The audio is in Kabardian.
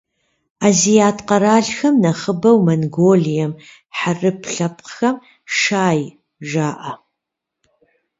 Азиат къэралхэм, нэхъыбэу Монголием, хьэрып лъэпкъхэм - «шай» жаӏэ.